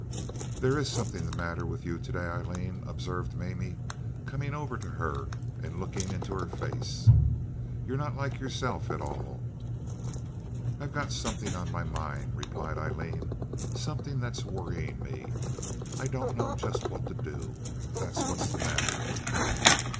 "There is something the matter with you to day, Aileen," observed Mamie, coming over to her and looking in her face. "You're not like yourself at all." "I've got something on my mind," replied Aileen—"something that's worrying me. I don't know just what to do—that's what's the matter."